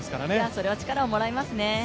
それは力をもらいますね。